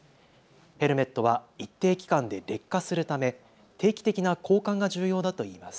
ヘルメットは一定期間で劣化するため定期的な交換が重要だといいます。